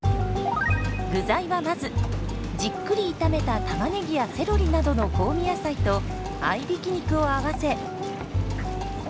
具材はまずじっくり炒めたタマネギやセロリなどの香味野菜と合いびき肉を合わせ。